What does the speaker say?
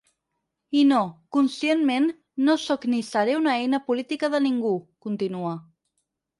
I no, conscientment, no sóc ni seré una eina política de ningú, continua.